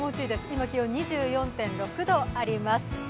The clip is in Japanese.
今、気温２４．６度あります。